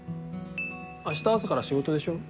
あした朝から仕事でしょ。